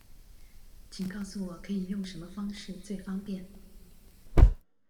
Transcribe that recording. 請告訴我可以用什麼方式最方便